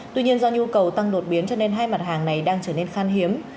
tuy nhiên do nhu cầu tăng đột biến cho nên hai mặt hàng này đang trở nên khan hiếm